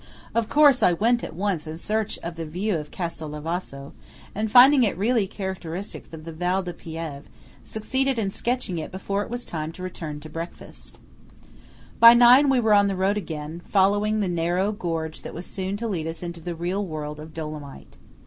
Of course I went at once in search of the view of Castel Lavazzo, and finding it really characteristic of the Val di Piave, succeeded in sketching it before it was time to return to breakfast. CASTEL LAVAZZO. By nine, we were on the road again, following the narrow gorge that was soon to lead us into the real world of Dolomite.